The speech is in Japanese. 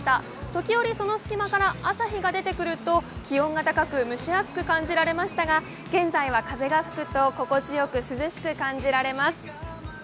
時折その隙間から朝日が出てくると気温が高く蒸し暑く感じられましたが現在は風が吹くと涼しく心地よく感じます。